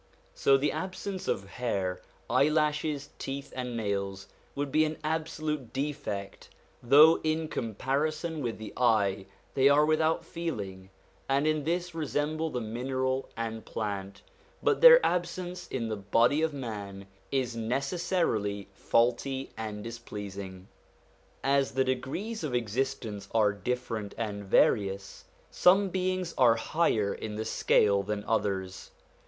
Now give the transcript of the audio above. So the absence of hair, eyelashes, teeth, and nails, would be an absolute defect, though in comparison with the eye they are without feeling, and in this resemble the mineral and plant; but their absence in the body of man is necessarily faulty and displeasing. As the degrees of existence are different and various, some beings are higher in the scale than others.